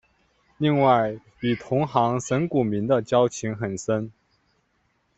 另外与同行神谷明的交情很深。